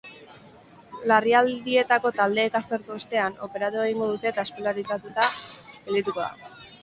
Larrialdietako taldeek aztertu ostean, operatu egingo dute eta ospitaleratuta geldituko da.